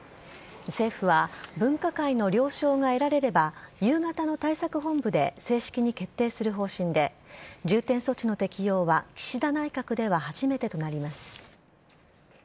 政府は分科会の了承が得られれば夕方の対策本部で正式に決定する方針で重点措置の適用は岸田内閣では初めてとなります。